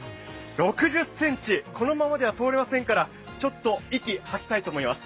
６０ｃｍ、このままでは通れませんから、ちょっと息、吐きたいと思います。